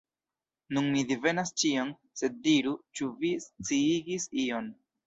Nun mi divenas ĉion, sed diru, ĉu vi sciigis ion!